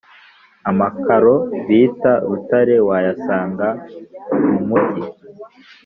Amakaro bita rutare wayasanga mumugi